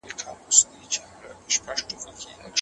مورنۍ ژبه څنګه د زده کړې فهم اسانه کوي؟